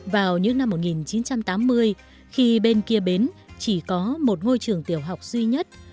vào những năm một nghìn chín trăm tám mươi khi bên kia bến chỉ có một ngôi trường tiểu học duy nhất